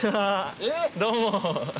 どうも。